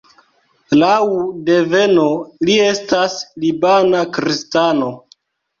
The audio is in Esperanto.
Laŭ deveno li estas libana kristano.